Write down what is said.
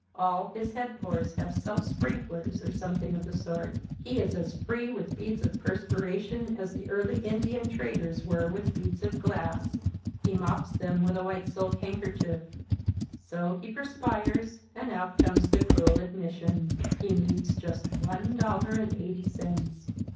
All his head pores have self sprinklers or something of the sort. He is as free with beads of perspiration as the early Indian traders were with beads of glass. He mops them with a white silk handkerchief. So he perspires, and out comes the cruel admission. He needs just one dollar and eighty cents!